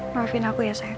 maafin aku ya sayang